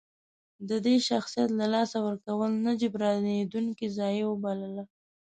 د داسې شخصیت له لاسه ورکول نه جبرانېدونکې ضایعه وبلله.